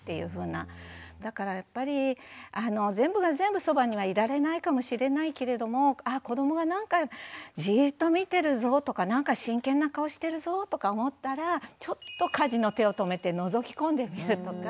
だからやっぱり全部が全部そばにはいられないかもしれないけれどもあ子どもがなんかじっと見てるぞとかなんか真剣な顔してるぞとか思ったらちょっと家事の手を止めてのぞき込んでみるとか。